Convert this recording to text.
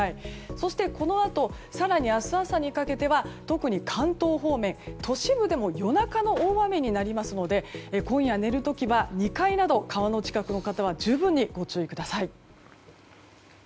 そして、このあと更に明日朝にかけては特に関東方面、都市部でも夜中の大雨になりますので今夜、寝る時は２階など川の近くの方は十分にご注意ください。